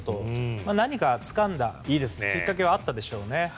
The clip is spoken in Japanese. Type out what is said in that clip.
何かつかんだきっかけはあったでしょうね。